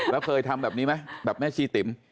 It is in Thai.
แล้วเคยทำแบบนี้ไหมแบบแม่ชีติ๋ม